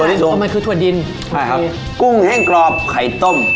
ถั่วลิสงมันคือถั่วดินโอเคคุณแห้งกรอบไข่ต้ม